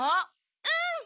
うん。